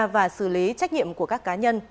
và xử lý trách nhiệm của các cá nhân